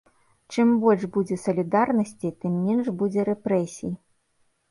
Чым больш будзе салідарнасці, тым менш будзе рэпрэсій.